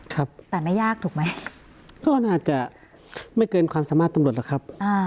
ครับแต่ไม่ยากถูกไหมก็น่าจะไม่เกินความสามารถตำรวจหรอกครับ